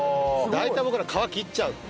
大体僕ら皮切っちゃう。